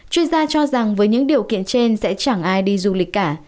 chuyên gia cho rằng với những điều kiện trên sẽ chẳng ai đi du lịch cả